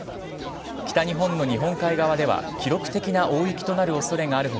北日本の日本海側では記録的な大雪となる恐れがある他